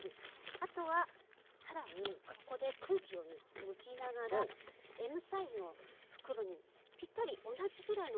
あとは更にここで空気を抜きながらＭサイズの袋にぴったり同じぐらいの大きさなので押していきます。